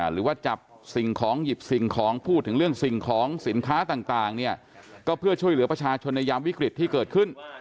เรื่องสิ่งของสินค้าต่างก็เพื่อช่วยเหลือประชาชนในยามวิกฤติที่เกิดขึ้น